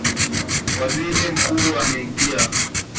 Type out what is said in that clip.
Waziri mkuu ameingia